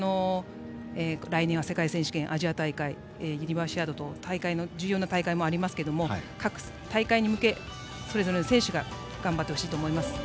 来年は世界選手権アジア大会、ユニバーシアードと重要な大会もありますけども各大会に向け、それぞれの選手が頑張ってほしいと思います。